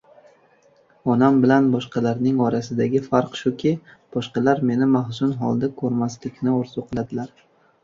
Onam bilan boshqalarning orasidagi farq shuki, boshqalar meni mahzun holda ko‘rmaslikni orzu qiladilar.